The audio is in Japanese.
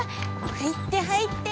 入って入って。